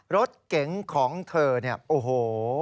รถเก๋งของเธอเนี่ยโอ้โห